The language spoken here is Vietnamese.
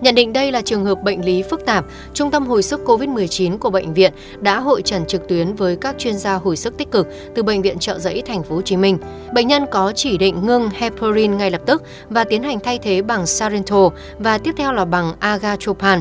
nhận định đây là trường hợp bệnh lý phức tạp trung tâm hồi sức covid một mươi chín của bệnh viện đã hội trần trực tuyến với các chuyên gia hồi sức tích cực từ bệnh viện trợ giấy tp hcm bệnh nhân có chỉ định ngưng heporin ngay lập tức và tiến hành thay thế bằng shariental và tiếp theo là bằng aga chopal